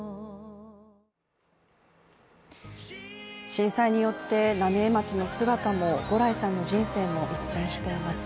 震災によって浪江町の姿も牛来さんの人生も一変しています。